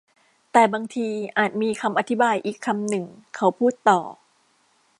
แต่บางทีอาจมีคำอธิบายอีกคำหนึ่งเขาพูดต่อ